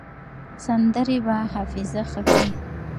سندرې به حافظه ښه کړي.